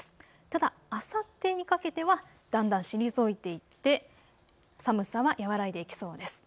ただあさってにかけてはだんだん退いていって寒さは和らいでいきそうです。